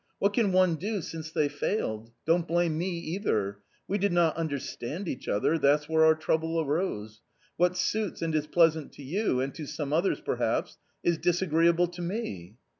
What can one do since they failed ? Don't blame me either. We did not understand each other, that's where our trouble arose ! What suits and is pleasant to you, and to some others perhaps, is disagreeable to me."